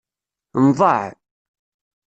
Nḍaɛ.